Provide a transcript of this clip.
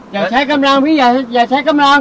อย่าใช้กำลังพี่อย่าใช้กำลัง